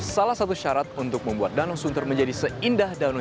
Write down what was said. salah satu syarat untuk membuat danau sunter menjadi seindah danau